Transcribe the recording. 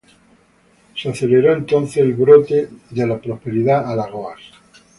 Se aceleró entonces el brote de la prosperidad Alagoas.